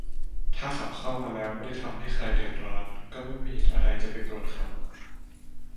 ถ้าเขาเข้ามาแล้วไม่ได้ทำให้ใครเดือดร้อน ก็ไม่มีเหตุอะไรจะไปตรวจเขา